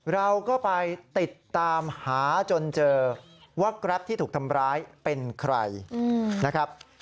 เราก็ไปติดตามหาจนเจอว่าแกรปที่ถูกทำร้ายเป็นใครนะครับ